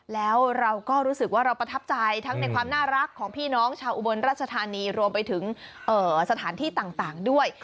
แล้วเราก็รู้สึกว่าเราประทับใจทั้งในความน่ารักของพี่น้องชาวอุบลราชธานีรวมไปถึงสถานที่ต่างด้วย